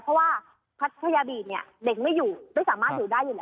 เพราะว่าพัทยาบีชเนี่ยเด็กไม่อยู่ไม่สามารถอยู่ได้อยู่แล้ว